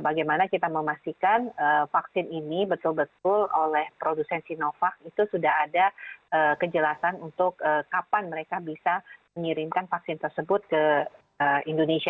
bagaimana kita memastikan vaksin ini betul betul oleh produsen sinovac itu sudah ada kejelasan untuk kapan mereka bisa mengirimkan vaksin tersebut ke indonesia